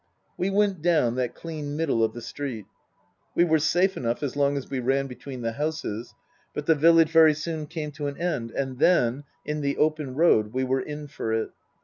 We went down that clean middle of the street. We were safe enough as long as we ran between the houses ; but the village very soon came to an end, and then, in the open road, we were in for it.